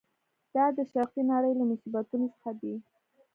دا د شرقي نړۍ له مصیبتونو څخه دی.